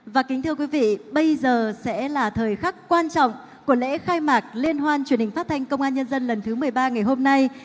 và kính thưa quý vị bây giờ sẽ là thời khắc quan trọng của lễ khai mạc liên hoan truyền hình phát thanh công an nhân dân lần thứ một mươi ba ngày hôm nay